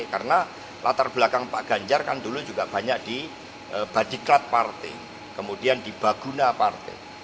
karena latar belakang pak ganjar kan dulu juga banyak di badiklat partai kemudian di baguna partai